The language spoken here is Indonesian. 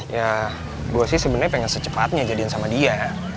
ya gue sih sebenarnya pengen secepatnya jadian sama dia